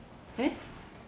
えっ？